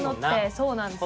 そうなんですよ。